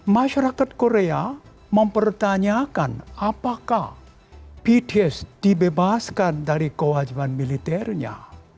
masyarakat korea mempertanyakan apakah bts dibebaskan dari kewajiban militernya